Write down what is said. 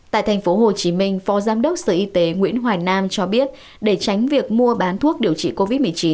tại tp hcm phó giám đốc sở y tế nguyễn hoài nam cho biết để tránh việc mua bán thuốc điều trị covid một mươi chín